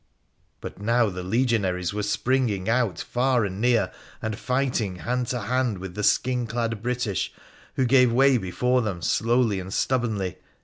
But now the legionaries were springing out far and near, and fighting hand to hand with the skin clad British, who gave way before them slowly and stubbornly.